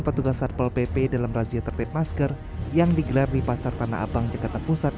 petugas satpol pp dalam razia tertip masker yang digelar di pasar tanah abang jakarta pusat